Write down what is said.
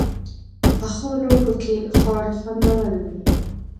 پخو لوښو کې خواړه خوندور وي